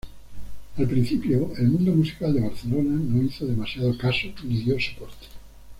Al principio, el mundo musical de Barcelona no hizo demasiado caso ni dio soporte.